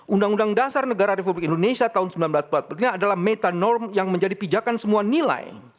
undang undang dasar negara republik indonesia tahun seribu sembilan ratus empat puluh lima adalah metanorm yang menjadi pijakan semua nilai